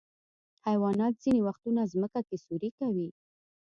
حیوانات ځینې وختونه ځمکه کې سوری کوي.